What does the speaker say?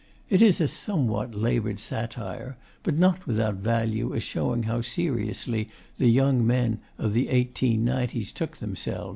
It iz a sumwot labud sattire but not without vallu az showing hou seriusli the yung men ov th aiteen ninetiz took themselvz.